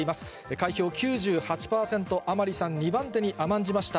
開票９８％、甘利さん２番手に甘んじました。